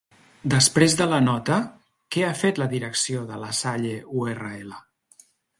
Després de la nota què ha fet la direcció de La Salle-URL?